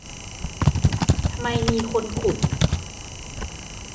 ทำไมมีคนขุด